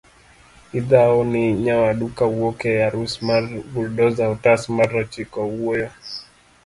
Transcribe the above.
idhau ni nyawadu kowuok e arus mar buldoza otas mar ochiko wuoyo